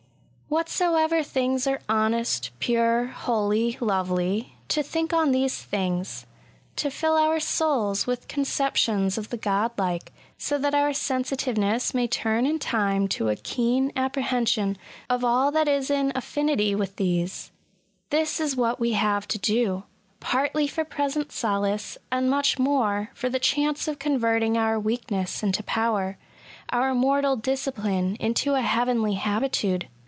*^ Whatsoever things are honest, pure, holy, lovely— to think on these things ;" to fill our souls with conceptions of the god like, so that our sensitiveness may turn in time to a keen appre hension of all that is in affinity with these ; this is what we have to do — partly for present solace, and much more for the chance of converting our weakness into power — our mortal discipline into a heavenly habitude.